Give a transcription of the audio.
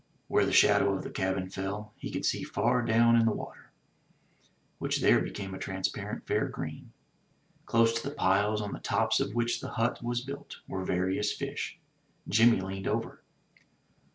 Where the shadow of the cabin fell, he could see far down in the water, which there became a transparent fair green. Close to the piles, on the tops of which the hut was built, were various fish. Jimmy leaned over.